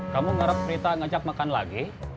kamu ngarep rita ngajak makan lagi